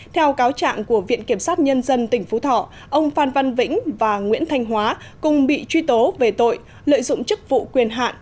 theo cáo trạng của viện kiểm sát nhân dân tỉnh phú thọ ông phan văn vĩnh và nguyễn thanh hóa cùng bị truy tố về tội lợi dụng chức vụ quyền hạn